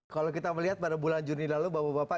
kalau kita melihat pada bulan juni lalu bapak bapak